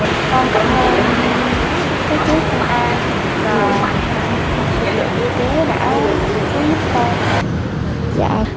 còn tận hôn các con sư phụ của mình và tổ chức điều kiện đã chú đức tôi